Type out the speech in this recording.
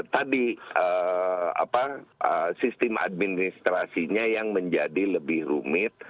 tadi sistem administrasinya yang menjadi lebih rumit